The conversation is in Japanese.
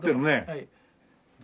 はい。